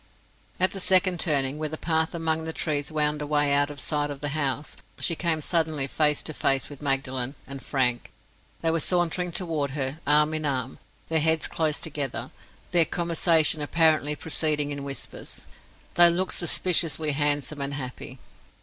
At the second turning, where the path among the trees wound away out of sight of the house, she came suddenly face to face with Magdalen and Frank: they were sauntering toward her, arm in arm, their heads close together, their conversation apparently proceeding in whispers. They looked suspiciously handsome and happy.